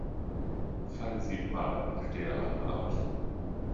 Falle sieben Mal. Stehe acht Mal auf.